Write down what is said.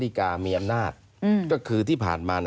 นี้กามีอำนาจที่ผ่านมา